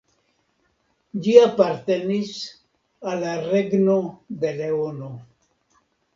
Ĝi apartenis al la Regno de Leono.